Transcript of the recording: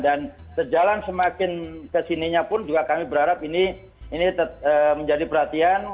dan terjalan semakin kesininya pun juga kami berharap ini menjadi perhatian